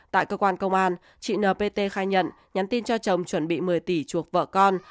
tại cơ quan công an chị npt khai nhận nhắn tin cho chồng chuẩn bị một mươi tỷ chuộc vợ con